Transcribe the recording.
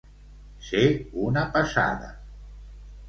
Ser una passada.